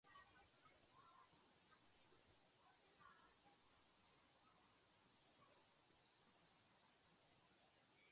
ეს გამოკვლევა მაშინვე გამოქვეყნდა გერმანულ და ფრანგულ სამეცნიერო პერიოდულ გამოცემებში.